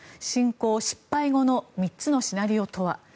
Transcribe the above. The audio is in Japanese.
侵攻失敗後の３つのシナリオとは。